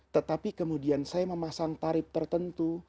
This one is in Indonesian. tetapi kemudian saya memasang tarif tertentu